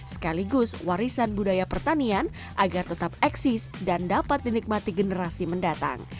sekaligus warisan budaya pertanian agar tetap eksis dan dapat dinikmati generasi mendatang